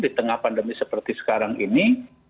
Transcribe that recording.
di tengah pandemi seperti sekarang ini